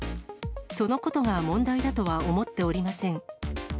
そのことが問題だとは思っておりません。